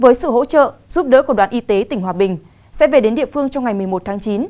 với sự hỗ trợ giúp đỡ của đoàn y tế tỉnh hòa bình sẽ về đến địa phương trong ngày một mươi một tháng chín